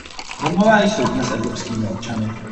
Romové jsou dnes evropskými občany.